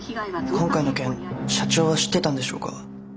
今回の件社長は知ってたんでしょうか？